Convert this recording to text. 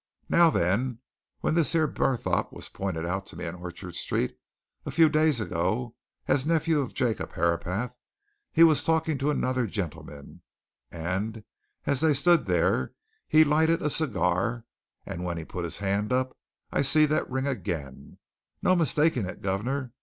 Now, then, when this here Barthorpe was pointed out to me in Orchard Street, a few days ago, as the nephew of Jacob Herapath, he was talking to another gentleman, and as they stood there he lighted a cigar, and when he put his hand up, I see that ring again no mistaking it, guv'nor!